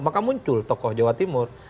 maka muncul tokoh jawa timur